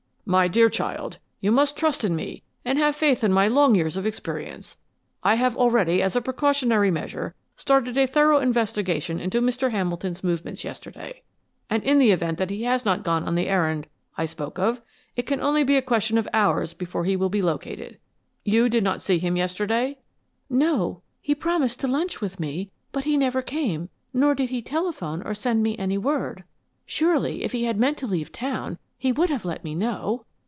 "My dear child, you must trust in me and have faith in my long years of experience. I have already, as a precautionary measure, started a thorough investigation into Mr. Hamilton's movements yesterday, and in the event that he has not gone on the errand I spoke of, it can only be a question of hours before he will be located. You did not see him yesterday?" "No. He promised to lunch with me, but he never came nor did he telephone or send me any word. Surely, if he had meant to leave town he would have let me know!"